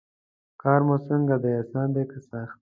کار مو څنګه دی اسان دی که سخت.